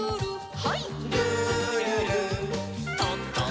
はい。